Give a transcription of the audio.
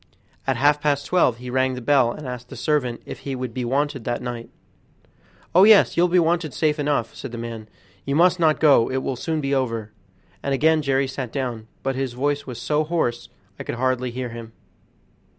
At half past twelve he rang the bell and asked the servant if he would be wanted that night. "Oh, yes, you'll be wanted safe enough," said the man; "you must not go, it will soon be over," and again Jerry sat down, but his voice was so hoarse I could hardly hear him.